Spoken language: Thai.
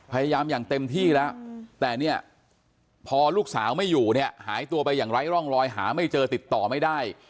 อย่างเต็มที่แล้วแต่เนี่ยพอลูกสาวไม่อยู่เนี่ยหายตัวไปอย่างไร้ร่องรอยหาไม่เจอติดต่อไม่ได้